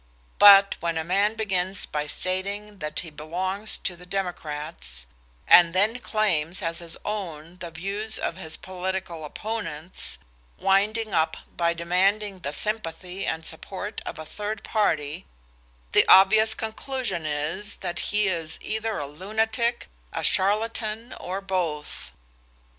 But when a man begins by stating that he belongs to the Democrats and then claims as his own the views of his political opponents, winding up by demanding the sympathy and support of a third party, the obvious conclusion is that he is either a lunatic, a charlatan, or both.